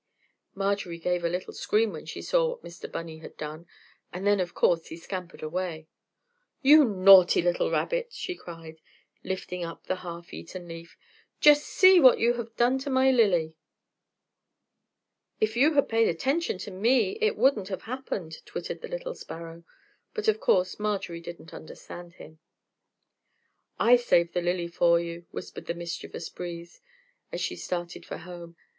Marjorie gave a little scream when she saw what Mr. Bunny had done, and then of course he scampered away. "You naughty little rabbit," she cried, lifting up the half eaten leaf, "just see what you've done to my lily." "If you had paid attention to me it wouldn't have happened," twittered the little sparrow. But of course Marjorie didn't understand him. "I saved the lily for you," whispered the mischievous breeze, as she started for home.